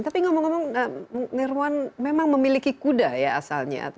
tapi ngomong ngomong nirwan memang memiliki kuda ya asalnya